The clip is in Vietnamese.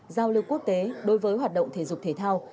giao lưu quốc tế đối với hoạt động thể dục thể thao